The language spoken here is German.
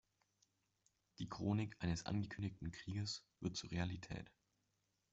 Die Chronik eines angekündigten Krieges wird zur Realität.